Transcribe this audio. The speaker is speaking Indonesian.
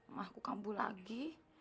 emahku kambul lagi